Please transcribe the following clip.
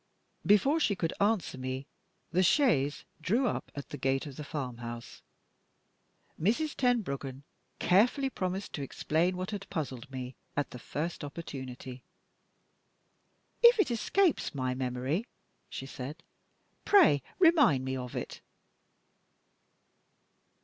Before she could answer me, the chaise drew up at the gate of the farmhouse. Mrs. Tenbruggen carefully promised to explain what had puzzled me, at the first opportunity. "If it escapes my memory," she said, "pray remind me of it."